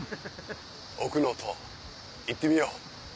奥能登行ってみよう。